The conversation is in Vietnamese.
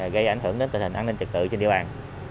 gây ảnh hưởng đến tình hình an ninh trật tự trên địa bàn